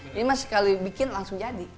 ini mas kali bikin langsung jadi